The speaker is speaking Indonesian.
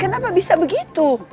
kenapa bisa begitu